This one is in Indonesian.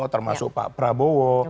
termasuk pak prabowo